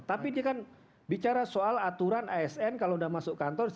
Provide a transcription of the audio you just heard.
tapi dia kan bicara soal aturan asn kalau sudah masuk kantor